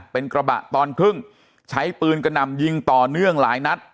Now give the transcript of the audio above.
เป็นกระบะตอนครึ่งใช้ปืนกระหน่ำยิงต่อเนื่องหลายนัด